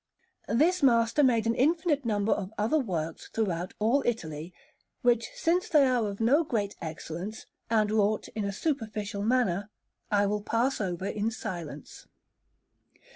This master made an infinite number of other works throughout all Italy, which, since they are of no great excellence, and wrought in a superficial manner, I will pass over in silence.